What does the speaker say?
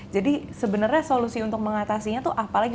jadi sebenarnya solusi untuk mengatasinya tuh apalagi